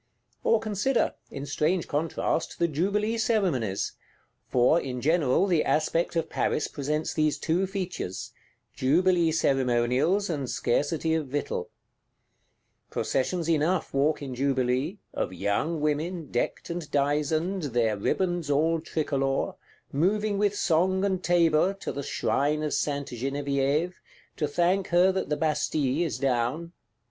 Or consider, in strange contrast, the jubilee Ceremonies; for, in general, the aspect of Paris presents these two features: jubilee ceremonials and scarcity of victual. Processions enough walk in jubilee; of Young Women, decked and dizened, their ribands all tricolor; moving with song and tabor, to the Shrine of Sainte Genevieve, to thank her that the Bastille is down.